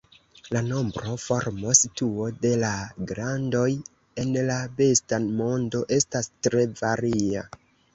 La nombro, formo, situo de la glandoj en la besta mondo estas tre varia.